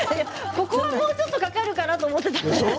ここもうちょっとかかるかなと思っていたんですけれど。